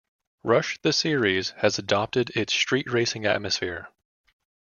Rush the series has adopted its street racing atmosphere.